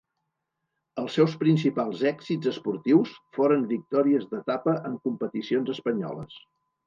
Els seus principals èxits esportius foren victòries d'etapa en competicions espanyoles.